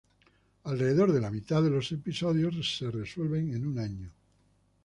Alrededor de la mitad de los episodios se resuelven en un año.